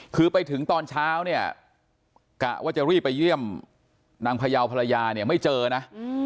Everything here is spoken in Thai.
คือไปถึงตอนเช้าเนี่ยกะว่าจะรีบไปเยี่ยมนางพยาวภรรยาเนี่ยไม่เจอนะ